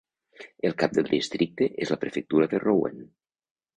El cap del districte és la prefectura de Rouen.